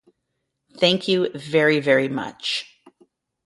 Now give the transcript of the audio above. Thank you very, very much!